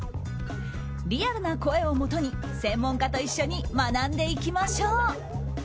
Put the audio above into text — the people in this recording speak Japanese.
リアルな声をもとに専門家と一緒に学んでいきましょう。